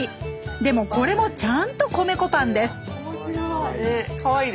でもこれもちゃんと米粉パンですおもしろい。